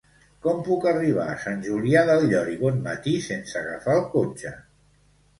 Com puc arribar a Sant Julià del Llor i Bonmatí sense agafar el cotxe?